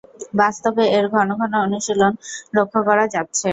বাস্তবে এর ঘন ঘন অনুশীলন লক্ষ করা যাচ্ছে।